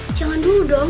aneh jangan dulu dong